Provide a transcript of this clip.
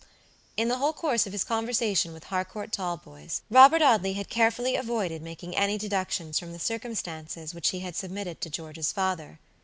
In the whole course of his conversation with Harcourt Talboys, Robert Audley had carefully avoided making any deductions from the circumstances which he had submitted to George's father.